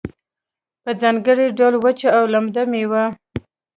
په ځانګړي ډول وچه او لمده میوه